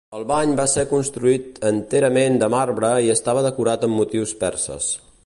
El bany va ser construït enterament de marbre i estava decorat amb motius perses.